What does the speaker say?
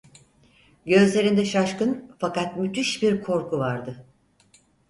Gözlerinde şaşkın, fakat müthiş bir korku vardı.